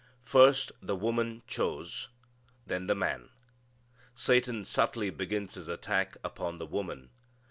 First the woman chose: then the man. Satan subtly begins his attack upon the woman.